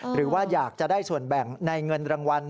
หรือว่าอยากจะได้ส่วนแบ่งในเงินรางวัล